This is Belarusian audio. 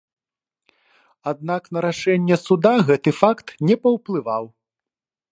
Аднак на рашэнне суда гэты факт не паўплываў.